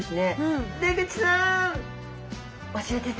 出口さん！